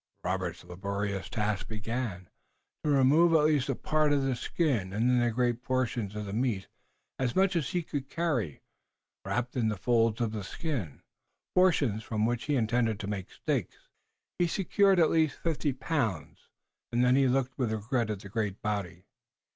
Robert's laborious task began, to remove at least a part of the skin, and then great portions of the meat, as much as he could carry, wrapped in the folds of the skin, portions from which he intended to make steaks. He secured at least fifty pounds, and then he looked with regret at the great body.